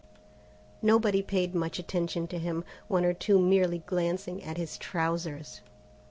Nobody paid much attention to him, one or two merely glancing at his trousers.